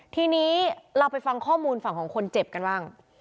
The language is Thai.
ทีนี้เราไปฟังข้อมูลฝั่งของคนเจ็บกันบ้าง